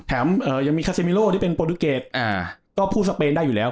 ยังมีคาเซมิโลที่เป็นโปรตูเกตก็พูดสเปนได้อยู่แล้ว